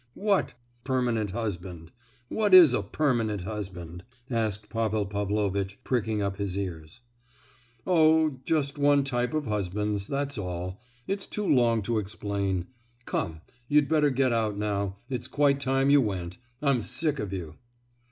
"What! 'permanent husband?' What is a 'permanent husband?' " asked Pavel Pavlovitch, pricking up his ears. "Oh—just one type of husbands—that's all, it's too long to explain. Come, you'd better get out now; it's quite time you went. I'm sick of you!"